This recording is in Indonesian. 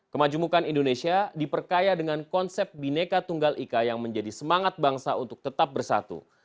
kemajumukan indonesia diperkaya dengan konsep bineka tunggal ika yang menjadi semangat bangsa untuk tetap bersatu